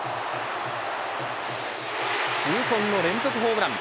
痛恨の連続ホームラン。